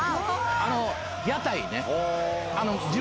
あの屋台ね。